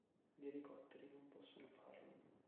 Gli elicotteri non possono farlo.